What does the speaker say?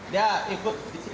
dia ikut di sini